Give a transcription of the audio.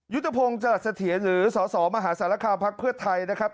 ยุตภงจรษฐียันทร์หรือสสมหาศาลการณ์ภักดิ์เพื่อไทยนะครับ